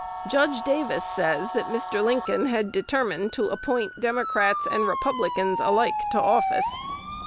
Judge Davis says that Mr. Lincoln had determined to appoint "Democrats and Republicans alike to office."